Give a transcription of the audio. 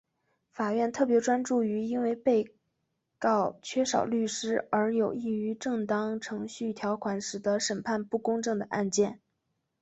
法院特别专注于因为被告缺少律师而有异于正当程序条款使得审判不公正的案件。